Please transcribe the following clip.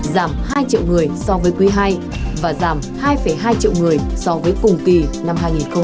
giảm hai triệu người so với quý hai và giảm hai hai triệu người so với cùng kỳ năm hai nghìn hai mươi